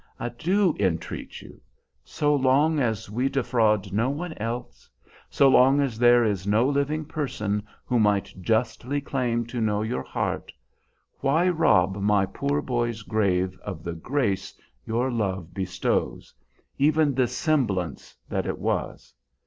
I do entreat you! So long as we defraud no one else, so long as there is no living person who might justly claim to know your heart, why rob my poor boy's grave of the grace your love bestows, even the semblance that it was?